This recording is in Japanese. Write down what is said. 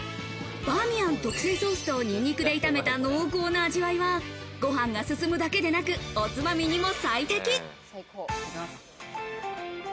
バーミヤン特製ソースとニンニクで炒めた濃厚な味わいは、ご飯が進むだけでなく、おつまみにも最適。